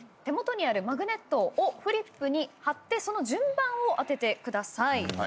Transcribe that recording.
手元にあるマグネットをフリップに張ってその順番を当ててください。